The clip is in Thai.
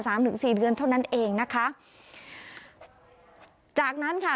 ถึงสี่เดือนเท่านั้นเองนะคะจากนั้นค่ะ